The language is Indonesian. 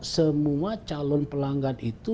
semua calon pelanggan itu